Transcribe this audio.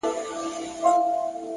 هیله د عمل پرته بې رنګه وي،